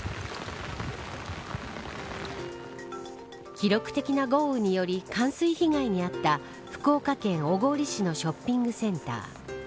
記録的な豪雨により冠水被害に遭った福岡県小郡市のショッピングセンター。